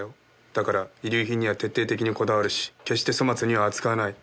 だから遺留品には徹底的にこだわるし決して粗末には扱わない。